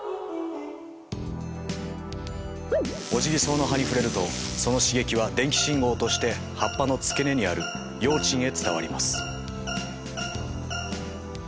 オジギソウの葉に触れるとその刺激は電気信号として葉っぱの付け根にある葉枕へ伝わります。